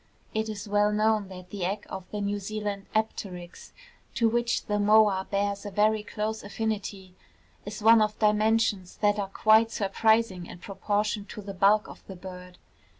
It is well known that the egg of the New Zealand apteryx, to which the moa bears a very close affinity, is one of dimensions that are quite surprising in proportion to the bulk of the bird.